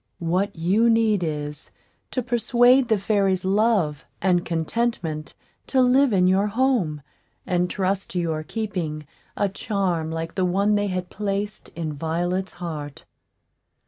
What you need is, to persuade the fairies Love and Contentment to live in your home, and trust to your keeping a charm like the one they had placed in Violet's heart.